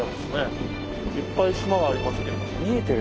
いっぱい島がありますけど。